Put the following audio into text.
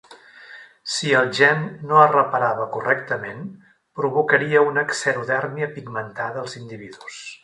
Si el gen no es reparava correctament, provocaria una xerodèrmia pigmentada als individus.